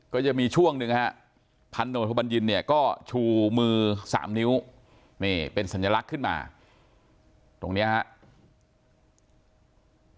ก็จะมีช่วงหนึ่งฮะพันธมธโรโบราณยินทร์เนี่ยก็ชูมือสามนิ้วนี่เป็นสัญลักษณ์ขึ้นมาตรงเนี้ยฮะ